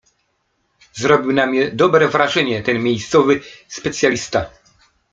"Zrobił na mnie dobre wrażenie ten miejscowy specjalista."